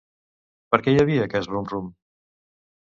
Per què hi havia aquest rum-rum?